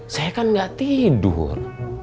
saya kan gak tidur